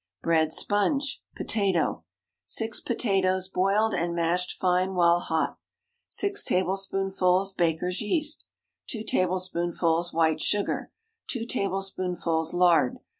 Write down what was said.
BREAD SPONGE (Potato.) ✠ 6 potatoes, boiled and mashed fine while hot. 6 tablespoonfuls baker's yeast. 2 tablespoonfuls white sugar. 2 tablespoonfuls lard.